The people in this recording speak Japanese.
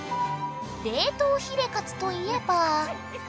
冷凍ヒレかつといえば。